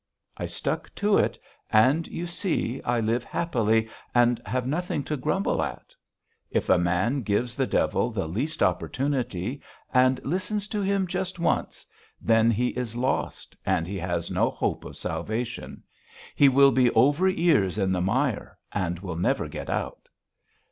I stuck to it, and, you see, I live happily and have nothing to grumble at. If a man gives the devil the least opportunity and listens to him just once, then he is lost and has no hope of salvation: he will be over ears in the mire and will never get out.